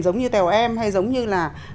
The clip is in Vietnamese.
giống như tèo em hay giống như là